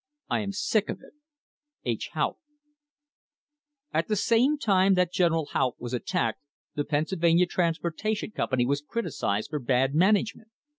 I am sick of it. H. Haupt. At the same time that General Haupt was attacked the Pennsylvania Transportation Company was criticised for bad management.